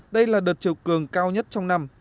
đây là đợt chiều cường cao nhất trong năm